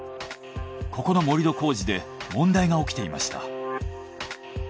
ここの盛り土工事で問題が起きていました。